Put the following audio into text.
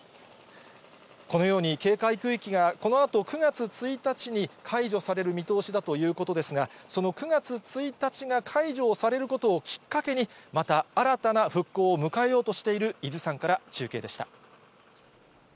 このように、警戒区域が、このあと９月１日に解除される見通しだということですが、その９月１日が解除をされることをきっかけに、また新たな復興を迎えようとしている伊豆山から中継でした。